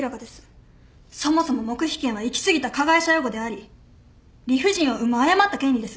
そもそも黙秘権は行きすぎた加害者擁護であり理不尽を生む誤った権利です。